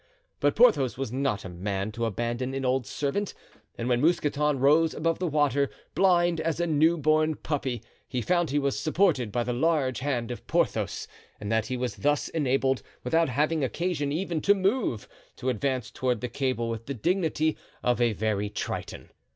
But Porthos was not a man to abandon an old servant, and when Mousqueton rose above the water, blind as a new born puppy, he found he was supported by the large hand of Porthos and that he was thus enabled, without having occasion even to move, to advance toward the cable with the dignity of a very triton.